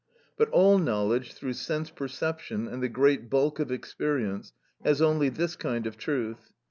But all knowledge through sense perception, and the great bulk of experience, has only this kind of truth.